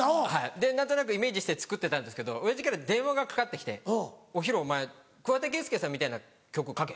で何となくイメージして作ってたんですけど親父から電話がかかって来て「ヒロお前桑田佳祐さんみたいな曲書け」。